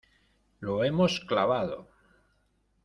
¡ lo hemos clavado!